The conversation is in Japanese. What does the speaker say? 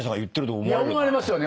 思われますよね。